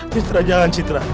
citra jangan citra